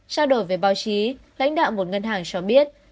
trao đổi về báo chí lãnh đạo một ngân hàng cho biết